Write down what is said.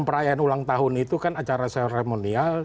perayaan ulang tahun itu kan acara seremonial